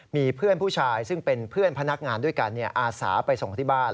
มีเพื่อนผู้ชายซึ่งเป็นเพื่อนพนักงานด้วยกันอาสาไปส่งที่บ้าน